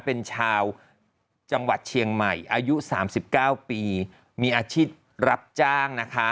เป็นชาวจังหวัดเชียงใหม่อายุ๓๙ปีมีอาชีพรับจ้างนะคะ